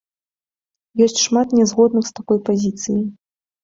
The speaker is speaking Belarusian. Ёсць шмат не згодных з такой пазіцыяй.